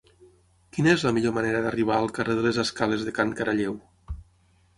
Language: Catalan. Quina és la millor manera d'arribar al carrer de les Escales de Can Caralleu?